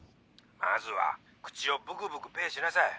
まずは口をブクブクペッしなさい。